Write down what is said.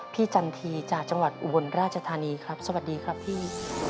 จันทีจากจังหวัดอุบลราชธานีครับสวัสดีครับพี่